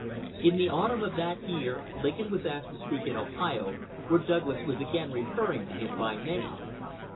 In the autumn of that year Lincoln was asked to speak in Ohio, where Douglas was again referring to him by name.